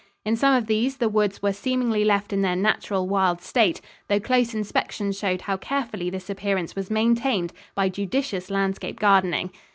In some of these the woods were seemingly left in their natural wild state, though close inspection showed how carefully this appearance was maintained by judicious landscape gardening.